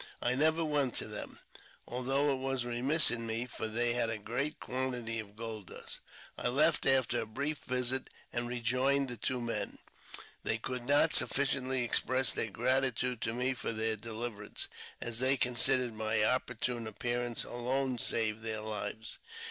I never went to them, although it was remiss in me, for they had a great quantity of gold dust. I left after a brief visit, and rejoined the two men. They could not sufficiently express their gratitude to me for their deliverance, as they considered my opportune appearance alone saved their lives.